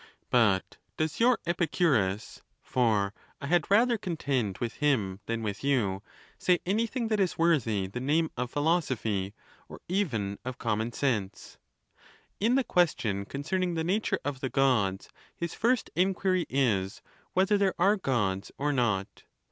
281 But does your Epicurus (for I had rather contend with him than with you) say anything that is worthy the name of philosophy, or even of common sense ? In the question concerning the nature of the Gods, his first inquiry is, whether there are Gods or not.